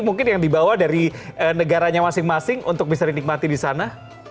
mungkin yang dibawa dari negaranya masing masing untuk bisa dinikmati di sana